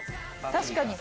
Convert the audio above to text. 確かに。